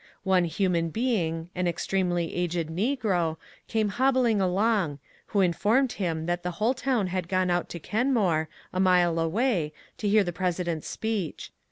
One human being, an extremely aged negro, came hobbling along, who informed him that the whole town had gone out to Kenmore, a mile away, to hear the President's speech.